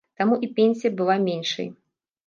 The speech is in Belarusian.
Таму і пенсія была меншай.